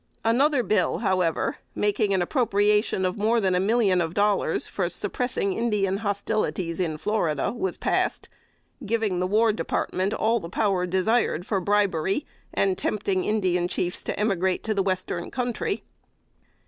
Another bill, however, making an appropriation of more than a million of dollars for suppressing Indian hostilities in Florida was passed, giving to the War Department all the powers desired for bribery, and tempting Indian chiefs to emigrate to the Western Country.